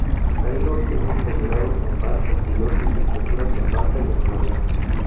Taylor tiene un posgrado en banca y dos licenciaturas en banca y economía.